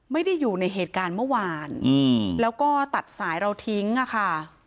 ไม่ได้อยู่ในเหตุการณ์เมื่อวานแล้วก็ตัดสายเราทิ้งอ่ะค่ะ